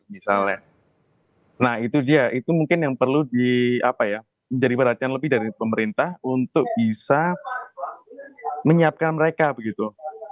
nah itu dia itu mungkin yang perlu di apa ya menjadi perhatian lebih dari pemerintah untuk bisa menyiapkan mereka begitu